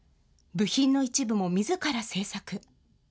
部品の一部もみずから製作。